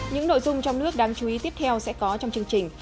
những nội dung trong nước đáng chú ý tiếp theo sẽ có trong chương trình